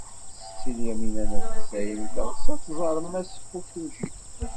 Setti Lyamina n At Ḥsayen teɣs ad tẓer Mass Kosugi.